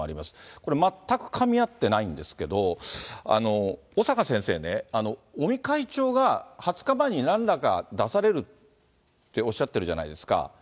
これ、全くかみ合ってないんですけど、小坂先生ね、尾身会長が２０日前になんらか出されるっておっしゃってるじゃないですか。